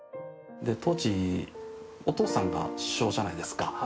当時お父さんが首相じゃないですか。